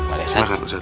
oh iya silahkan ustadz